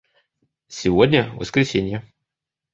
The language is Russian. Сегодня воскресение.